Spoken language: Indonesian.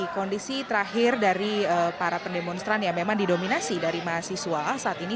kondisi terakhir dari para pendemonstran yang memang didominasi dari mahasiswa saat ini